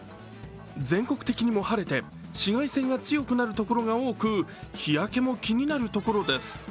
全国的にも晴れて紫外線が強くなる所が多く日焼けも気になるところです。